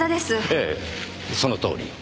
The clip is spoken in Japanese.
ええそのとおり。